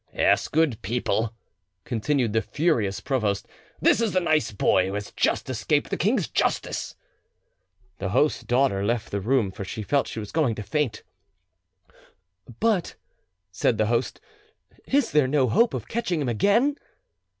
"Yes, good people," continued the furious provost, "this is the nice boy who has just escaped the king's justice!" The host's daughter left the room, for she felt she was going to faint. "But," said the host, "is there no hope of catching him again?"